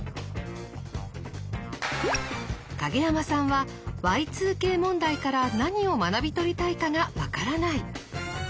影山さんはＹ２Ｋ問題から何を学び取りたいかが分からない。